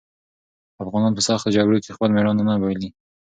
افغانان په سختو جګړو کې خپل مېړانه نه بايلي.